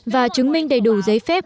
và chứng minh đầy đủ giấy phép